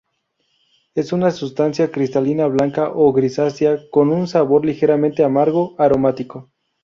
Es una sustancia cristalina blanca o grisácea con un sabor ligeramente amargo aromático.